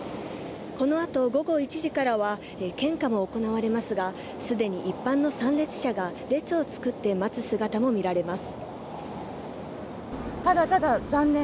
このあと午後１時からは献花も行われますが、既に一般の参列者が列を作って待つ姿も見られます。